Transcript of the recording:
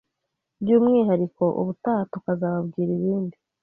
by’umwihariko ubutaha tukazababwira ibindi